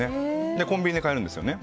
で、コンビニで買えるんですよね。